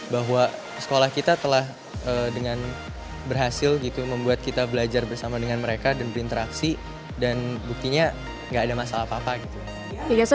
bahwa sekolah kita telah dengan berhasil gitu membuat kita belajar bersama dengan mereka dan berinteraksi dan buktinya nggak ada masalah apa apa gitu